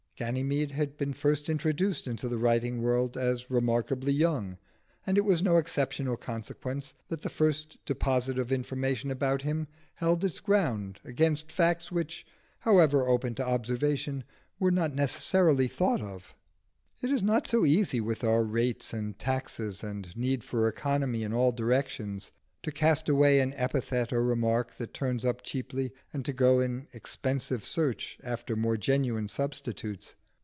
Ganymede had been first introduced into the writing world as remarkably young, and it was no exceptional consequence that the first deposit of information about him held its ground against facts which, however open to observation, were not necessarily thought of. It is not so easy, with our rates and taxes and need for economy in all directions, to cast away an epithet or remark that turns up cheaply, and to go in expensive search after more genuine substitutes.